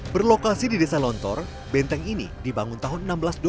berlokasi di desa lontor benteng ini dibangun tahun seribu enam ratus dua belas